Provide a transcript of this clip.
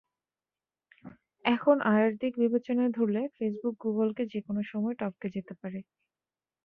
এখন আয়ের দিক বিবেচনায় ধরলে ফেসবুক গুগলকে যেকোনো সময় টপকে যেতে পারে।